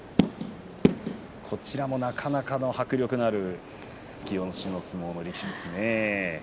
こちらもなかなか迫力のある突き押しの相撲の力士です。